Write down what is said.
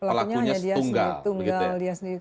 pelakunya hanya dia sendiri